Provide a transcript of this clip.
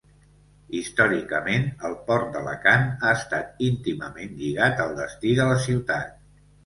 Històricament el port d'Alacant ha estat íntimament lligat al destí de la ciutat.